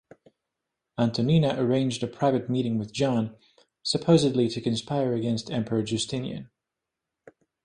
Antonina arranged a private meeting with John, supposedly to conspire against Emperor Justinian.